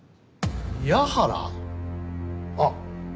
あっ！